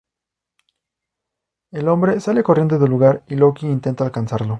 El hombre sale corriendo del lugar y Loki intenta alcanzarlo.